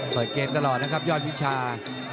เปิดเกมตลอดนะครับยอดวิชา